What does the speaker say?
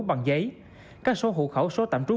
bằng giấy các số hộ khẩu số tạm trú